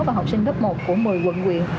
và học sinh lớp một của một mươi quận huyện